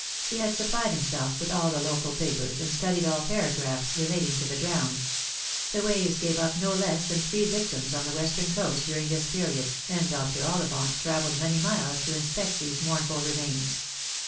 He had supplied himself with all the local papers, and studied all paragraphs relating to the drowned. The waves gave up no less than three victims on the western coast during this period, and Dr. Ollivant travelled many miles to inspect these mournful remains.